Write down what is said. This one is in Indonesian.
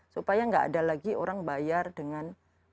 supaya nggak ada lagi orang bayar dengan